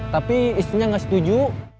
tapi istrinya gak setuju